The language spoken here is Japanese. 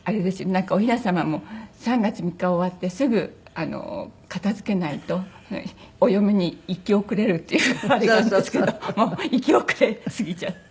なんかおひなさまも３月３日終わってすぐ片付けないとお嫁に行き遅れるっていうあれがあるんですけどもう行き遅れすぎちゃって。